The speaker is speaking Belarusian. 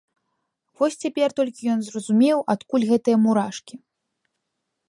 Вось цяпер толькі ён зразумеў, адкуль гэтыя мурашкі.